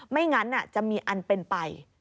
ไม่งั้นจะมีอันเป็นไป